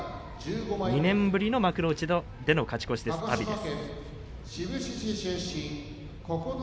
２年ぶりの幕内での勝ち越し阿炎です。